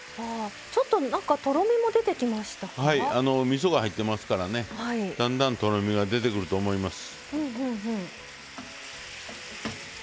みそが入ってますからねだんだんとろみが出てくると思います。